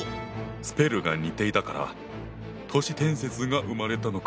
スペルが似ていたから都市伝説が生まれたのか。